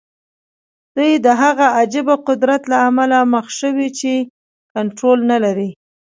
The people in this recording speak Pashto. دوی د هغه عجيبه قدرت له امله مخ شوي چې کنټرول نه لري.